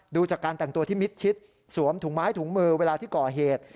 ดูจากการแต่งตัวที่มิดชิดสวมถุงไม้ถุงมือเวลาที่ก่อเหตุ